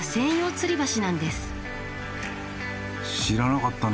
知らなかったな。